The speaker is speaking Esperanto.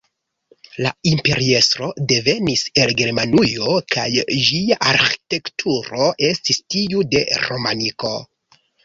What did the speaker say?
La imperiestro devenis el Germanujo, kaj ĝia arĥitekturo estis tiu de romaniko.